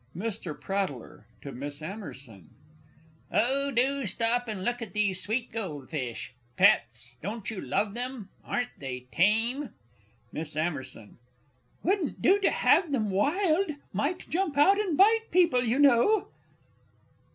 MR. PRATTLER (to MISS AMMERSON). Oh, do stop and look at these sweet goldfish! Pets! Don't you love them? Aren't they tame? MISS AMMERSON. Wouldn't do to have them wild might jump out and bite people, you know!